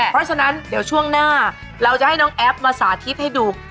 เพราะฉะนั้นเดี๋ยวช่วงหน้าเราจะให้น้องแอปมาสาธิตให้ดู